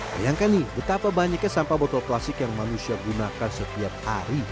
bayangkan nih betapa banyaknya sampah botol plastik yang manusia gunakan setiap hari